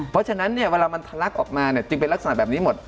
เพราะฉะนั้นเนี่ยเวลามันทะลักออกมาเนี่ยจึงเป็นลักษณะแบบนี้หมด